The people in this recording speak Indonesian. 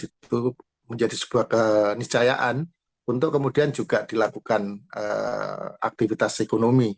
itu menjadi sebuah keniscayaan untuk kemudian juga dilakukan aktivitas ekonomi